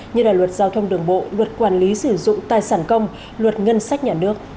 như là luật giao thông đường bộ luật quản lý sử dụng tài sản công luật ngân sách nhà nước